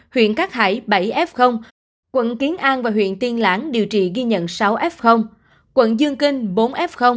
huyện cát hải bảy f quận kiến an và huyện tiên lãng điều trị ghi nhận sáu f quận dương kinh bốn f